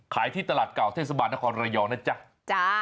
ที่ตลาดเก่าเทศบาลนครระยองนะจ๊ะ